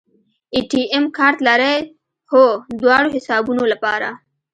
اے ټي ایم کارت لرئ؟ هو، دواړو حسابونو لپاره